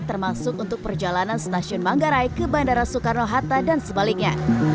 termasuk untuk perjalanan stasiun manggarai ke bandara soekarno hatta dan sebaliknya